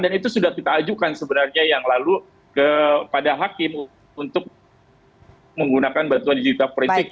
dan itu sudah kita ajukan sebenarnya yang lalu kepada hakim untuk menggunakan bantuan digital forensic